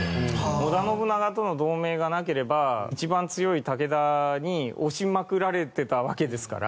織田信長との同盟がなければ一番強い武田に押しまくられてたわけですから。